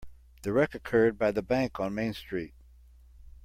The wreck occurred by the bank on Main Street.